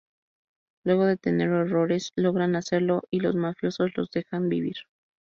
Luego de tener errores, logran hacerlo, y los mafiosos los dejan vivir.